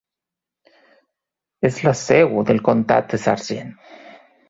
És la seu del comtat de Sargent.